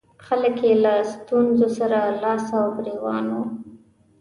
خلک یې له ستونزو سره لاس او ګرېوان وو.